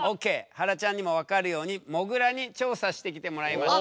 はらちゃんにも分かるようにもぐらに調査してきてもらいました。